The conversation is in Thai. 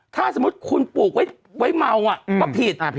ถ้าสมมุติคุณปลูกไว้เมาก็ผิด